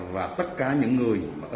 và tất cả những người ở đà nẵng vào